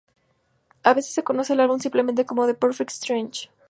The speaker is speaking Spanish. A veces, se conoce al álbum simplemente como The Perfect Stranger.